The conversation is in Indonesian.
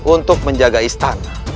untuk menjaga istana